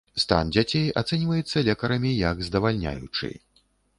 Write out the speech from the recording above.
Стан дзяцей ацэньваецца лекарамі як здавальняючы.